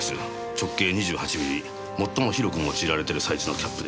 直径２８ミリ最も広く用いられてるサイズのキャップです。